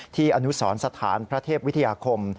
อนุสรสถานพระเทพวิทยาคม